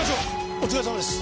お疲れさまです。